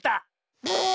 ブー！